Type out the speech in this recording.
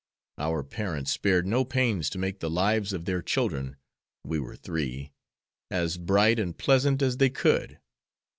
Our parents spared no pains to make the lives of their children (we were three) as bright and pleasant as they could.